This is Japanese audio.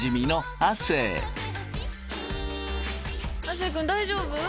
亜生くん大丈夫？